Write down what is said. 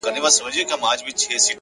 قوي اراده ستړې لارې اسانه کوي